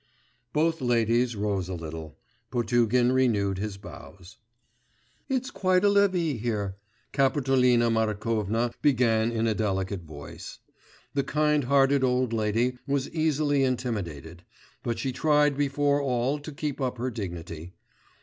Both ladies rose a little. Potugin renewed his bows. 'It's quite a levée here,' Kapitolina Markovna began in a delicate voice; the kind hearted old lady was easily intimidated, but she tried before all to keep up her dignity.